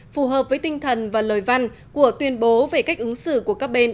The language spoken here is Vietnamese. phù hợp với tinh thần và lời văn của tuyên bố về cách ứng xử của các bên